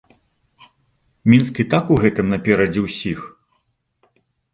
Мінск і так у гэтым наперадзе ўсіх.